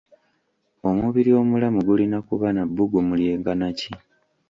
Omubiri omulamu gulina kuba na bbugumu lye nkanaki?